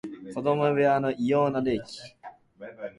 子供部屋の異様な冷気